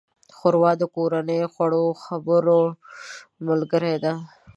ښوروا د کورنۍ د خوږو خبرو ملګرې ده.